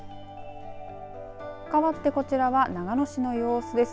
かわってこちらは長野市の様子です。